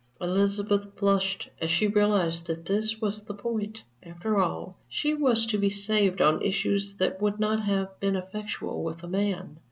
Elizabeth flushed as she realized that this was the point, after all; she was to be saved on issues that would not have been effectual with a man.